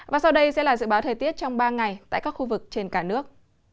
và sau đây sẽ là dự báo thời tiết trong ba ngày tại các khu vực trên cả nước